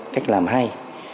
cách làm hay